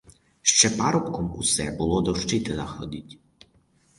Ще парубком усе, було, до вчителя ходить.